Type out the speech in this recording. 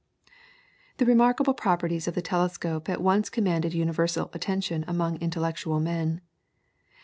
The remarkable properties of the telescope at once commanded universal attention among intellectual men.